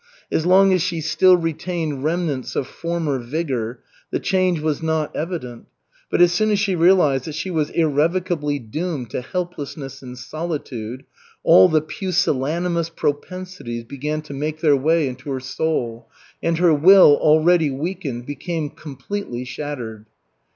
As long as she still retained remnants of former vigor, the change was not evident, but as soon as she realized that she was irrevocably doomed to helplessness and solitude, all the pusillanimous propensities began to make their way into her soul, and her will, already weakened, became completely shattered.